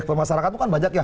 pemasarakan kan banyak ya